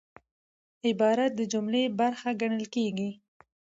عبارت د جملې برخه ګڼل کېږي.